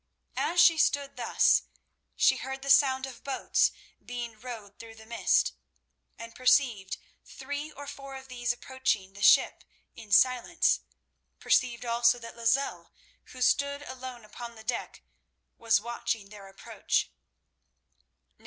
As she stood thus, she heard the sound of boats being rowed through the mist, and perceived three or four of these approaching the ship in silence, perceived also that Lozelle, who stood alone upon the deck, was watching their approach.